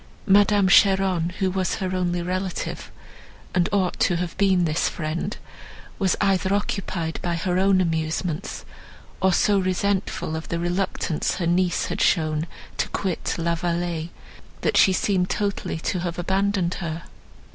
Madame Cheron, who was her only relative, and ought to have been this friend, was either occupied by her own amusements, or so resentful of the reluctance her niece had shown to quit La Vallée, that she seemed totally to have abandoned her.